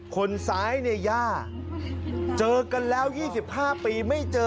คนซ้ายเนี่ยย่าเจอกันแล้ว๒๕ปีไม่เจอ